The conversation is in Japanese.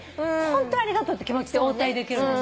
ホントにありがとうって気持ちで応対できる。